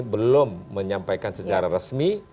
belum menyampaikan secara resmi